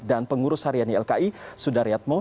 dan pengurus hariani lki sudaryatmo